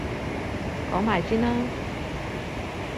講埋先啦！